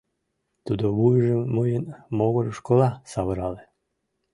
Тудо вуйжым мыйын могырышкыла савырале: